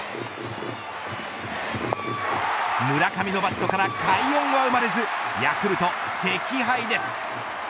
村上のバットから快音は生まれずヤクルト惜敗です。